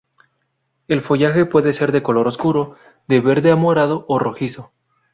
El follaje puede ser de color oscuro, de verde a morado o rojizo.